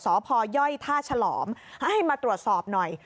สพยท่าฉลอมให้มาตรวจสอบหน่อย